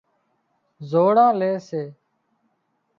زوڙان لي سي